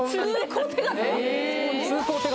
通行手形？